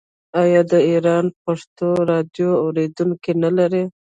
آیا د ایران پښتو راډیو اوریدونکي نلري؟